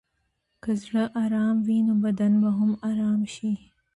که زړه ارام وي، نو بدن به هم ارام شي.